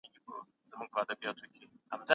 دا پټوالی د ازموینې برخه ده.